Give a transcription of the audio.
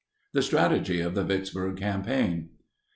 THE STRATEGY OF THE VICKSBURG CAMPAIGN.